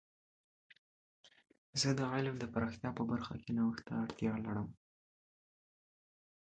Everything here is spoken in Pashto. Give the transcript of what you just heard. زه د علم د پراختیا په برخه کې نوښت ته اړتیا لرم.